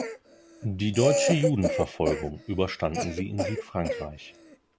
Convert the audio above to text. Die deutsche Judenverfolgung überstanden sie in Südfrankreich.